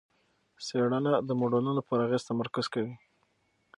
څېړنه د موډلونو پر اغېز تمرکز کوي.